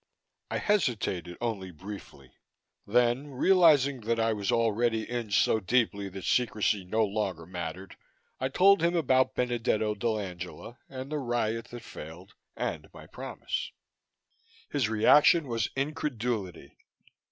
I hesitated only briefly; then, realizing that I was already in so deeply that secrecy no longer mattered, I told him about Benedetto dell'Angela, and the riot that failed, and my promise. His reaction was incredulity.